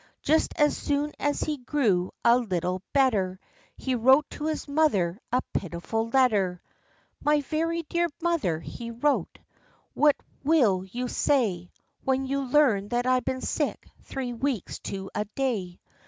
Just as soon as he grew a little better, He wrote to his mother a pitiful letter. "My very dear Mother," he wrote, "What will you say, When you learn that I've been sick three weeks to a day?